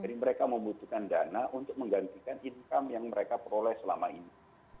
jadi mereka membutuhkan dana untuk menggantikan income yang mereka peroleh selama ini